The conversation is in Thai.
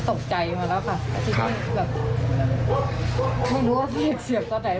ตกใจมาแล้วค่ะที่แบบไม่รู้ว่าพี่เสียบตอนไหน